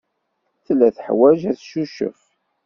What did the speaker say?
Tella teḥwaj ad teccucef.